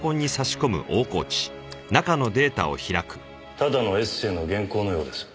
ただのエッセーの原稿のようです。